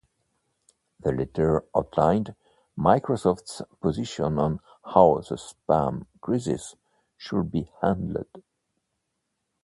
The letter outlined Microsoft's position on how the spam crisis should be handled.